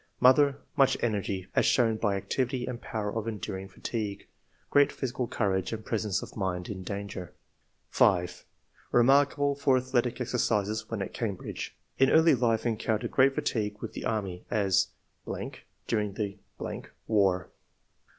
Mother— Much energy, as shown by activity and power of enduring fatigue. Great physical courage and presence of mind in danger." 5. " Kemarkable for athletic exercises when at Cambridge. In early life encountered great fatigue with the army, as .... during the .... war.